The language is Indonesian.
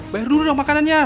bayar dulu dong makanannya